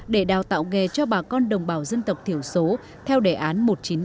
để đào tạo nghề cho bà con đồng bào dân tộc thiểu số theo đề án một nghìn chín trăm năm mươi